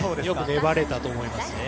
よく粘れたと思います。